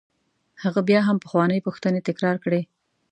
هغه بیا هم پخوانۍ پوښتنې تکرار کړې.